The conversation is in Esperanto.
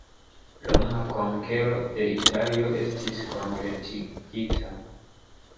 Roma konkero de Italio estis kompletigita.